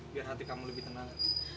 biar hati kamu lebih tenang